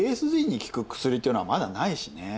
ＡＳＤに効く薬っていうのはまだないしね。